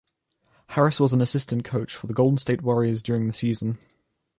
Harris was an assistant coach for the Golden State Warriors during the season.